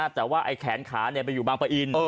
แต่ว่าแขนขาไปอยู่บางปะอิน